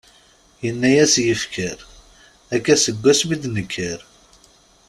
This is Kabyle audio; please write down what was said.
Yenna-as yifker : akka seg asmi i d-nekker.